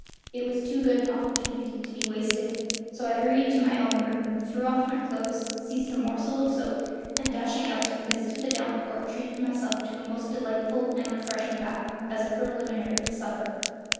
It was too good an opportunity to be wasted, so I hurried to my own room, threw off my clothes, seized a morsel of soap, and, dashing out to the midst of the downpour, treated myself to a most delightful and refreshing bath, as a preliminary to supper.